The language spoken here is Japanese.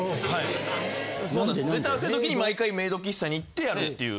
合わせ時に毎回メイド喫茶に行ってやるっていう。